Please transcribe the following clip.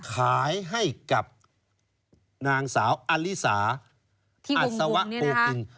ขายให้กับนางสาวอลิสาอัศวะโพกึง